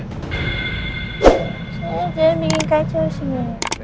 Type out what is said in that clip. sienna jangan bikin kacau di sini